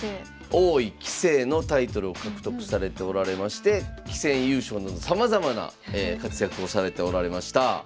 王位棋聖のタイトルを獲得されておられまして棋戦優勝などさまざまな活躍をされておられました。